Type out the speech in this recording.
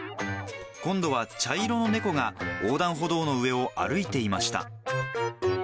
今度は茶色の猫が横断歩道の上を歩いていました。